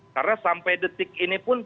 karena sampai detik ini pun